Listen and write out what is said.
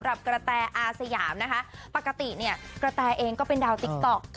สำหรับกระแตรอาสยามนะคะปกติเนี่ยกระแตรเองก็เป็นดาวติ๊กท็อค